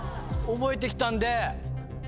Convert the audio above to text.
覚えて来たんで。